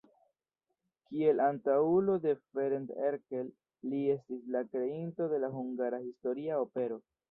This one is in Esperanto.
Kiel antaŭulo de Ferenc Erkel li estis la kreinto de la hungara historia opero.